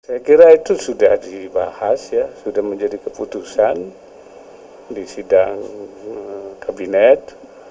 saya kira itu sudah dibahas ya sudah menjadi keputusan di sidang kabinet